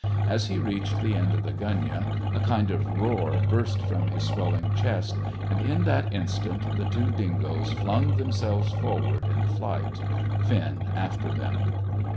As he reached the end of the gunyah, a kind of roar burst from his swelling chest and, in that instant, the two dingoes flung themselves forward in flight, Finn after them.